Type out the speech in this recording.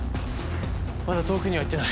まだ遠くには行ってない。